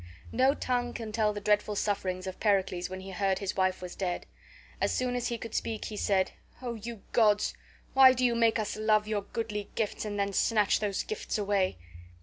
No tongue can tell the dreadful sufferings of Pericles when he heard his wife was dead. As soon as he could speak he said: "O you gods, why do you make us love your goodly gifts and then snatch those gifts away?"